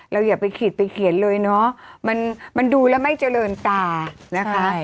อย่าไปขีดไปเขียนเลยเนาะมันดูแล้วไม่เจริญตานะคะ